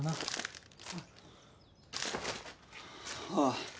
ああ。